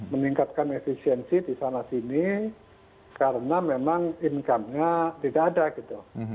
meningkatkan efisiensi di sana sini karena memang income nya tidak ada gitu